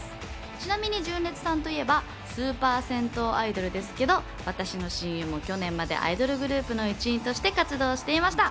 ちなみに純烈さんといえばスーパー銭湯アイドルですけど、私の親友も去年までアイドルグループの一員として活動していました。